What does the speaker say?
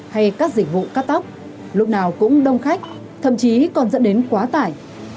hay các dịch vụ cắt tóc lúc nào cũng đông khách thậm chí còn dẫn đến quá tải